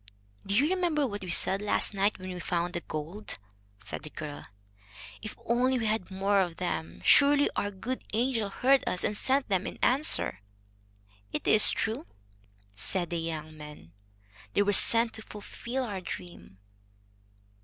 "Do you remember what we said last night when we found the gold piece?" said the girl. "If only we had more of them! Surely our good angel heard us, and sent them in answer." "It is true," said the young man. "They were sent to fulfil our dream."